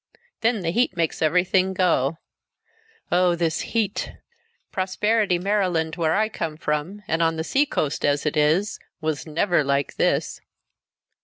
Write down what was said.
Then the heat makes everything go. Oh! This heat! Prosperity, Maryland, where I come from, and on the sea coast as it is, was never like this!"